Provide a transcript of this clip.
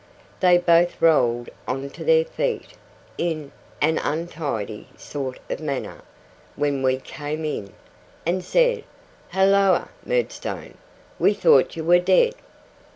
They both rolled on to their feet in an untidy sort of manner, when we came in, and said, 'Halloa, Murdstone! We thought you were dead!